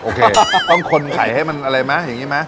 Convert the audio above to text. โอเคต้องคนไข่ให้มันอะไรไหมอย่างนี้ไหม